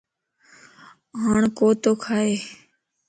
ھاڻ ڪوتو کائي